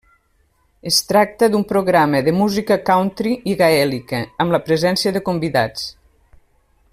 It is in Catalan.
Es tracta d'un programa de música country i gaèlica, amb la presència de convidats.